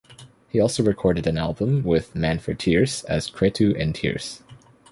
He also recorded an album with Manfred Thiers as Cretu and Thiers.